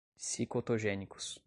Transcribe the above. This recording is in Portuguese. psicotogênicos